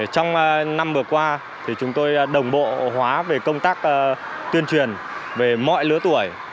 trong năm vừa qua chúng tôi đồng bộ hóa về công tác tuyên truyền về mọi lứa tuổi